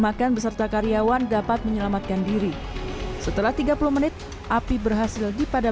makan beserta karyawan dapat menyelamatkan diri setelah tiga puluh menit api berhasil dipadam